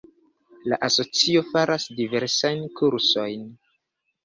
La asocio faras diversajn kursojn.